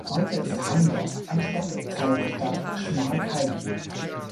Heute ist Haindorf ein Stadtteil der Stadt Schmalkalden.